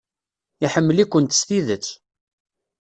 Iḥemmel-ikent s tidet.